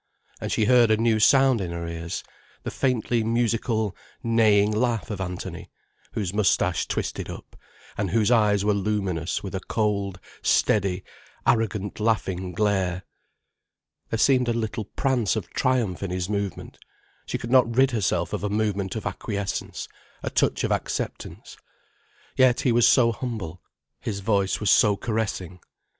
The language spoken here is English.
And she heard a new sound in her ears, the faintly musical, neighing laugh of Anthony, whose moustache twisted up, and whose eyes were luminous with a cold, steady, arrogant laughing glare. There seemed a little prance of triumph in his movement, she could not rid herself of a movement of acquiescence, a touch of acceptance. Yet he was so humble, his voice was so caressing.